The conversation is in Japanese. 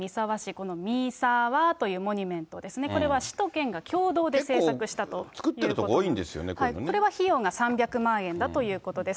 このミサワというモニュメントですね、これは市と県が共同で制作結構、これは費用が３００万円だということです。